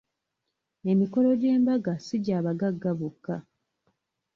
Emikolo gy'embaga si gya bagagga bokka.